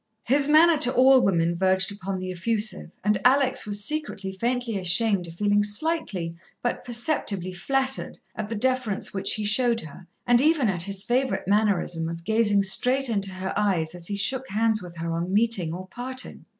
His manner to all women verged upon the effusive, and Alex was secretly faintly ashamed of feeling slightly, but perceptibly, flattered at the deference which he showed her, and even at his favourite mannerism of gazing straight into her eyes as he shook hands with her on meeting or parting.